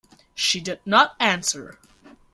She did not answer.